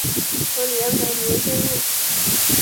合理安排旅游线路